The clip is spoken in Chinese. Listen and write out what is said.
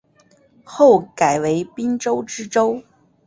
后改为滨州知州。